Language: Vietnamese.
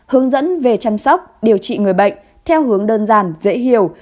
hướng dẫn về chăm sóc điều trị người bệnh theo hướng đơn giản dễ hiểu